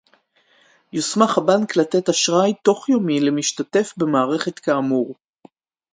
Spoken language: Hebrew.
יוסמך הבנק לתת אשראי תוך-יומי למשתתף במערכת כאמור